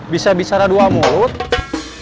bisa bicara dua mulut